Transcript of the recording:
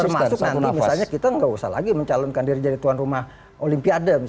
termasuk nanti misalnya kita nggak usah lagi mencalonkan diri jadi tuan rumah olimpiade